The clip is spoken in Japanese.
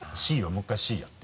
もう１回「Ｃ」やって。